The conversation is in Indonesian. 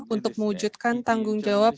untuk mewujudkan tanggung jawab